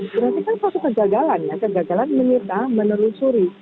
berarti kan itu suatu kegagalan ya kegagalan menita menelusuri